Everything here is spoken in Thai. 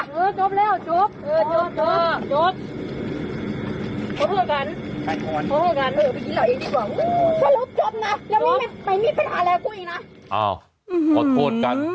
โดดมาโดดมา